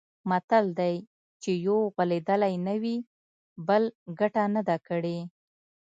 متل دی: چې یو غولېدلی نه وي، بل ګټه نه ده کړې.